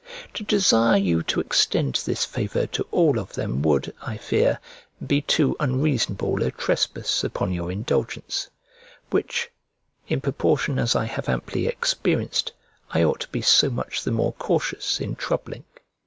To desire you to extend this favour to all of them would, I fear, be too unreasonable a trespass upon your indulgence; which, in proportion as I have amply experienced, I ought to be so much the more cautious in troubling.